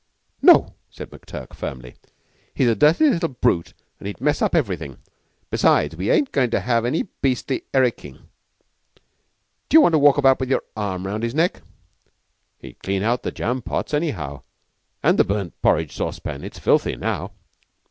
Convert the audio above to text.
"No!" said McTurk firmly. "He's a dirty little brute, and he'd mess up everything. Besides, we ain't goin' to have any beastly Erickin'. D'you want to walk about with your arm round his neck?" "He'd clean out the jam pots, anyhow; an' the burnt porridge saucepan it's filthy now."